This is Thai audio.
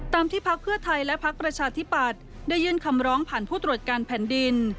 ที่พักเพื่อไทยและพักประชาธิปัตย์ได้ยื่นคำร้องผ่านผู้ตรวจการแผ่นดิน